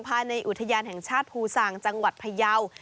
ภายในอุทยานแห่งชาติภูซางจังหวัดพยาว